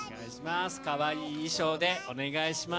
かわいい衣装でお願いします。